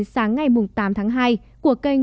sáng ngày tám tháng hai của kênh